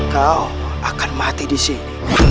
kau akan mati disini